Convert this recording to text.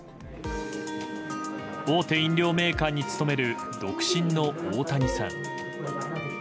大手飲料メーカーに勤める独身の大谷さん。